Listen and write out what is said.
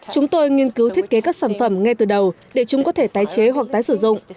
chúng tôi nghiên cứu thiết kế các sản phẩm ngay từ đầu để chúng có thể tái chế hoặc tái sử dụng